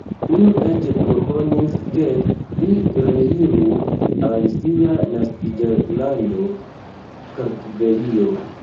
Unu eĉ proponis, ke li reiru al sia naskiĝlando Kartvelio.